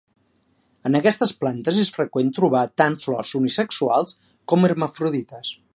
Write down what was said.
En aquestes plantes és freqüent trobar tant flors unisexuals com hermafrodites.